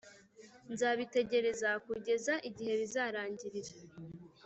nzabitegereza kugeza igihe bizarangirira